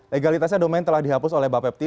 legalitasnya domain telah dihapus oleh bapak pepti